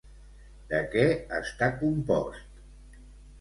De què està compost?